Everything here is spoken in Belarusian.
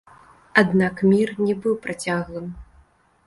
Аднак мір не быў працяглым.